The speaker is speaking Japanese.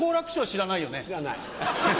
知らない。